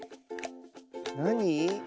なに？